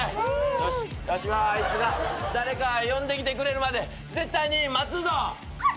よしわしはあいつが誰か呼んできてくれるまで絶対に待つぞ！